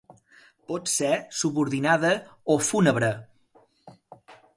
Pot ser subordinada o fúnebre.